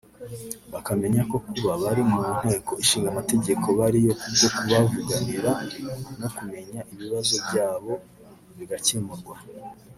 bakamenya ko kuba bari mu Nteko Ishinga Amategeko bariyo kubwo kubavuganira no kumenya ibibazo byabo bigakemurwa